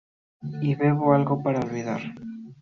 Y bebo algo para olvidar.